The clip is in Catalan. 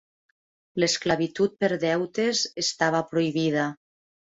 L'esclavitud per deutes estava prohibida.